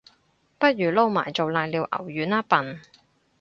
不如撈埋做瀨尿牛丸吖笨